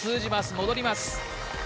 戻ります。